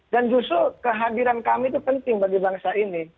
dan justru kehadiran kami itu penting bagi bangsa ini